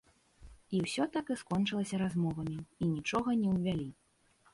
І ўсё так і скончылася размовамі, і нічога не ўвялі.